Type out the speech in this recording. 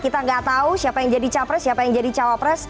kita nggak tahu siapa yang jadi capres siapa yang jadi cawapres